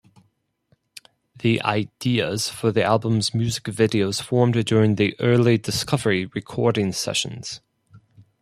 The ideas for the album's music videos formed during the early "Discovery" recording sessions.